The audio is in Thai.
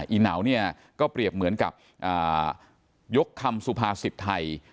ีเหนาเนี่ยก็เปรียบเหมือนกับยกคำสุภาษิตไทย